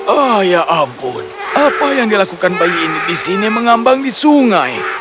oh ya ampun apa yang dilakukan bayi ini di sini mengambang di sungai